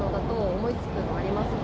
思いつくのありますか？